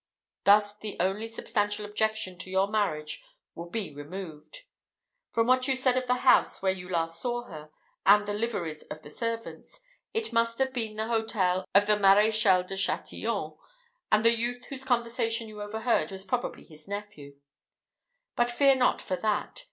Thus the only substantial objection to your marriage will be removed. From what you said of the house where you last saw her, and the liveries of the servants, it must have been the hotel of the Maréchal de Chatillon; and the youth whose conversation you overheard was probably his nephew; but fear not for that.